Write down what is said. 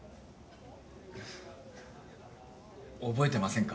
あっ覚えてませんか？